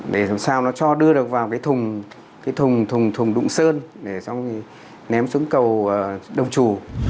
để làm sao nó cho đưa được vào cái thùng đụng sơn để xong ném xuống cầu đông chủ